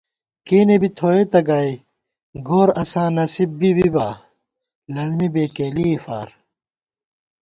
کېنےبی تھوئیتہ گائی گوراساں نصیب بی بِبا للمی بېکېلِئی فار